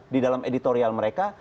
di dalam editorial mereka